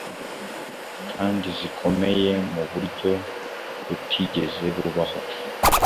kandi zikomeye mu buryo butigeze bubaho.